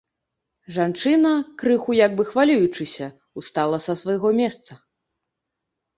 Жанчына, крыху як бы хвалюючыся, устала з свайго месца.